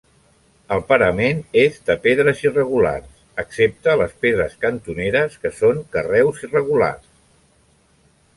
El parament és de pedres irregulars excepte les pedres cantoneres que són carreus regular.